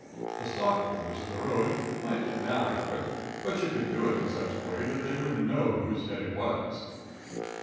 The stockholders of the road might get mad about it, but you could do it in such a way that they wouldn't know whose head it was.